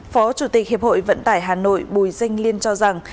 phó chủ tịch hiệp hội vận tải hà nội bùi dinh liên cho rằng